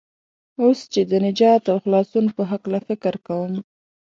اوس چې د نجات او خلاصون په هلکه فکر کوم.